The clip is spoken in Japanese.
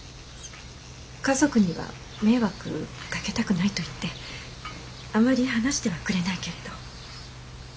家族には迷惑かけたくないと言ってあまり話してはくれないけれど。